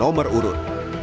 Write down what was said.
dan nomor urut